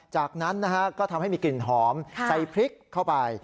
จากนั้นนะฮะก็ทำให้มีกลิ่นหอมใส่พริกเข้าไป